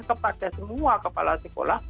kepada semua kepala sekolah